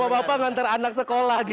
bapak bapak ngantar anak sekolah